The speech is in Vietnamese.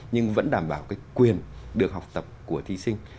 nhưng vẫn đảm bảo cái quyền được học tập của thí sinh